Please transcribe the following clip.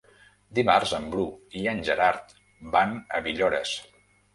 Dimarts en Bru i en Gerard van a Villores.